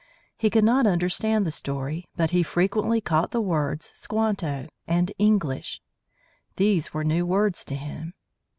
He could not understand the story, but he frequently caught the words, "Squanto" and "English." These were new words to him.